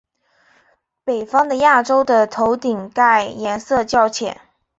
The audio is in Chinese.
北方的亚种的头顶盖颜色较浅。